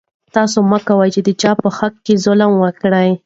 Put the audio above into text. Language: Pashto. تاسو مه کوئ چې د چا په حق کې ظلم وکړئ.